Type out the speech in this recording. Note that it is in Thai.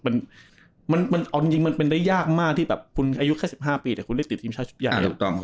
มันเอาจริงมันเป็นได้ยากมากที่แบบคุณอายุแค่๑๕ปีแต่คุณได้ติดทีมชาติชุดใหญ่ถูกต้อง